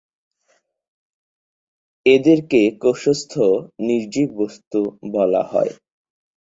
ইহা ছিল প্রথম পকেট গণনা যন্ত্র, এবং প্রথম বহুল প্রচলিত এবং ইহার পরিচিতি অনেক গণনা যন্ত্রের কোম্পানির বাজারে প্রবেশ ঘটায়।